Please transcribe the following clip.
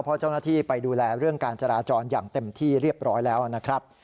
เพราะเจ้าหน้าที่ไปดูแลเรื่องการจราจรอย่างเต็มที่เรียบร้อยแล้วนะครับ